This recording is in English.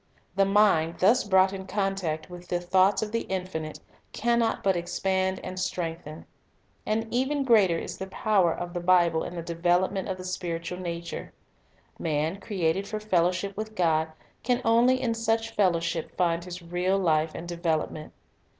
The mind thus brought in contact with the thoughts of the Infinite can not but expand and strengthen. And even greater is the power of the Bible in the spiritual development of the spiritual nature. Man, created for Development t . m t fellowship with God, can only in such fellowship find his real life and development.